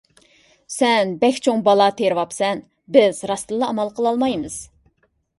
سەن بەك چوڭ بالا تېرىۋاپسەن! بىز راستتىنلا ئامال قىلالمايمىز.